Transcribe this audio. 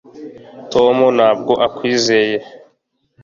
tom ntabwo akwizeye